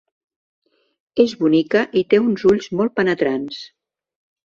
És bonica i té uns ulls molt penetrants.